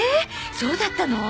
そうだったの？